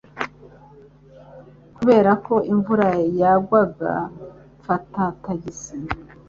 Kubera ko imvura yagwaga, mfata tagisi.